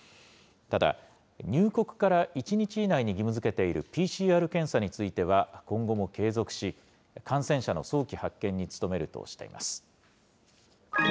ただ、入国から１日以内に義務づけているＰＣＲ検査については、今後も継続し、感染者の早期発見に努めるとしています。